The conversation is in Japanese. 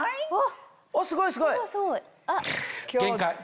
すごいすごい。限界。